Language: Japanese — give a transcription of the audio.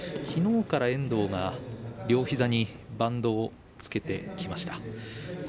きのうから遠藤が両膝にバンドをつけてきました。